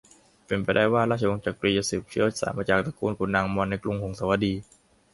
เป็นไปได้ว่า ราชวงศ์จักรีจะสืบเชื้อสายมาจากตระกูลขุนนางมอญในกรุงหงสาวดี